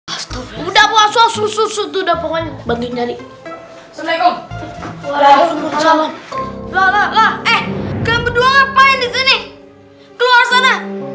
assalamualaikum warahmatullah wabarakatuh